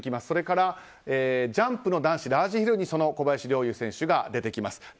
それからジャンプの男子ラージヒルにその小林陵侑選手が出てきます。